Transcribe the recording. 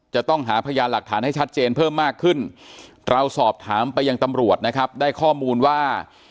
จะต้องหาพยานหลักฐานให้ชัดเจนเพิ่มมากขึ้นเราสอบถามไปยังตำรวจนะครับได้ข้อมูลว่า